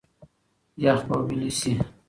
یخ به ویلي سي.